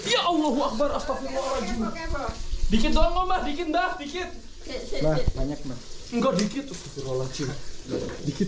ya allah wabarakatuh dikit doang dikit dikit